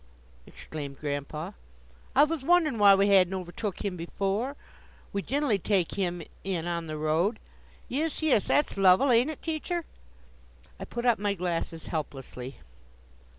exclaimed Grandpa. "I was wonderin' why we hadn't overtook him before. We gin'ally take him in on the road. Yis, yis; that's Lovell, ain't it, teacher?" I put up my glasses, helplessly.